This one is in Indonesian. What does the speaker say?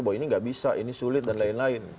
bahwa ini nggak bisa ini sulit dan lain lain